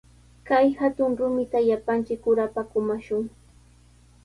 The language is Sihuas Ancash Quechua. Kay hatun rumita llapanchik urapa kumashun.